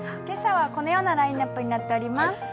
今朝はこのようなラインナップとなって降ります。